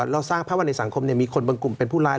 เราสร้างภาพว่าในสังคมมีคนบางกลุ่มเป็นผู้ร้าย